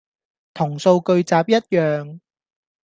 同數據集一樣